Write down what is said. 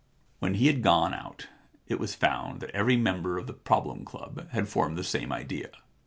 When he had gone out it was found that every member of the Problem Club had formed the same idea.